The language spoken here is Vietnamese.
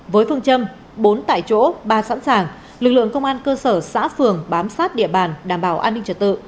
với phương châm bốn tại chỗ ba sẵn sàng lực lượng công an cơ sở xã phường bám sát địa bàn đảm bảo an ninh trật tự